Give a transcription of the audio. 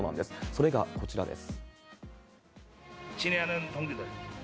それがこちらです。